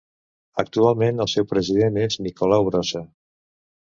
Actualment, el seu president és Nicolau Brossa.